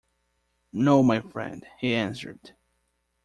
"No, my friend," he answered.